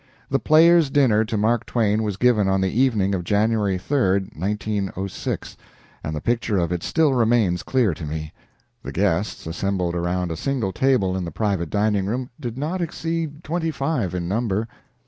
The Players' dinner to Mark Twain was given on the evening of January 3, 19066, and the picture of it still remains clear to me. The guests, assembled around a single table in the private dining room, did not exceed twenty five in number.